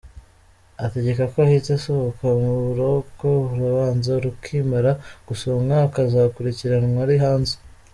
Ategeka ko ahita asohoka mu buroko urubanza rukimara gusomwa akazakurikiranwa ari hanze.